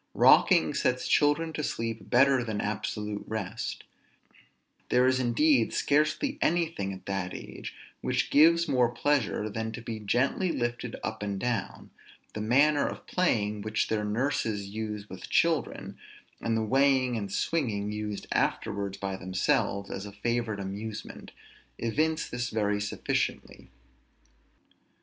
Rocking sets children to sleep better than absolute rest; there is indeed scarcely anything at that age, which gives more pleasure than to be gently lifted up and down; the manner of playing which their nurses use with children, and the weighing and swinging used afterwards by themselves as a favorite amusement, evince this very sufficiently.